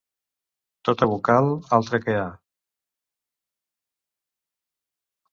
Tota vocal altra que a.